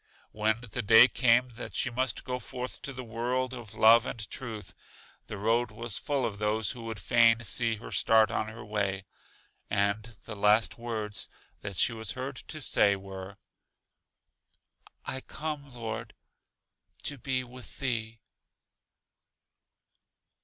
When the day came that she must go forth to the world of love and truth, the road was full of those who would fain see her start on her way; and the last words that she was heard to say were: I come, Lord, to be with Thee.